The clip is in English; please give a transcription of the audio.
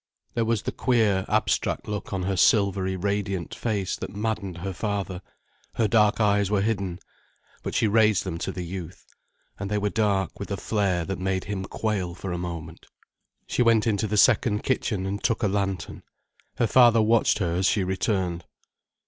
There was the queer, abstract look on her silvery radiant face that maddened her father, her dark eyes were hidden. But she raised them to the youth. And they were dark with a flare that made him quail for a moment. She went into the second kitchen and took a lantern. Her father watched her as she returned.